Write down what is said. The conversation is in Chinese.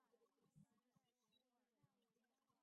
张玉法幼时生长于山东峄县。